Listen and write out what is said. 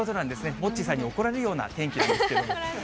モッチーさんに怒られるような天気なんですけども。